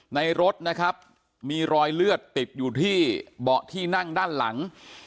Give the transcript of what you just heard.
ในรถนะครับมีรอยเลือดติดอยู่ที่เบาะที่นั่งด้านหลัง